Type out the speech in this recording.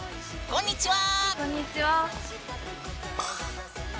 こんにちは。